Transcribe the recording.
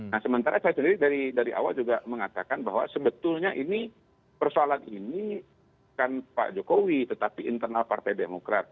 nah sementara saya sendiri dari awal juga mengatakan bahwa sebetulnya ini persoalan ini kan pak jokowi tetapi internal partai demokrat